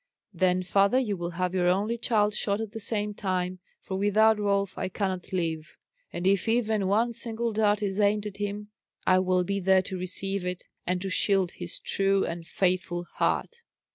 "Then, father, you will have your only child shot at the same time, for without Rolf I cannot live; and if even one single dart is aimed at him, I will be there to receive it, and to shield his true and faithful heart."